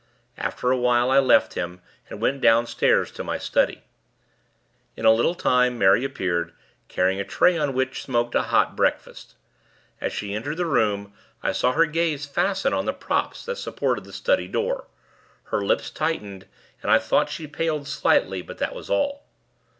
After a while, I left him, and went downstairs, to my study. In a little time, Mary appeared, carrying a tray on which smoked a hot breakfast. As she entered the room, I saw her gaze fasten on the props that supported the study door; her lips tightened, and I thought she paled, slightly; but that was all.